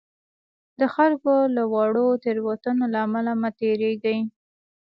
د خلکو له واړو تېروتنو له امله مه تېرېږئ.